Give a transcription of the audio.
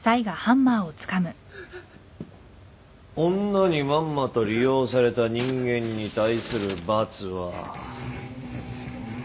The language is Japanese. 女にまんまと利用された人間に対する罰は。